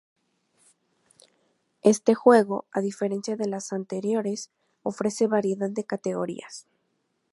Este juego, a diferencia de los anteriores, ofrece variedad de categorías.